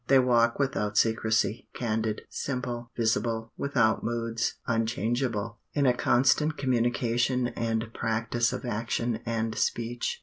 They walk without secrecy, candid, simple, visible, without moods, unchangeable, in a constant communication and practice of action and speech.